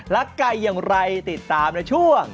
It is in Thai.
ไก่อย่างไรติดตามในช่วง